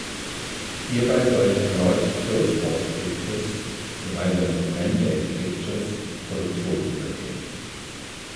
Hierbei sollte erneut Ghost House Pictures gemeinsam mit Mandate Pictures die Produktion übernehmen.